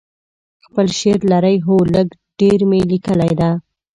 خپل شعر لرئ؟ هو، لږ ډیر می لیکلي ده